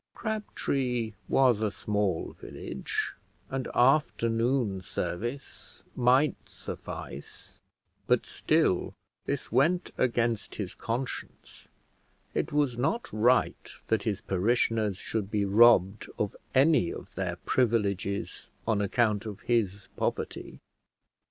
Crabtree was a small village, and afternoon service might suffice, but still this went against his conscience; it was not right that his parishioners should be robbed of any of their privileges on account of his poverty.